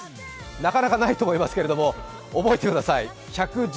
なかなかないと思いますが覚えてください。